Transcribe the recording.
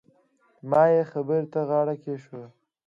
ما يې خبرې ته غاړه کېښووه.